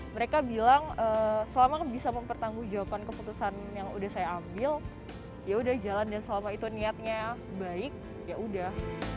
mereka bilang selama bisa mempertanggung jawaban keputusan yang udah saya ambil yaudah jalan dan selama itu niatnya baik yaudah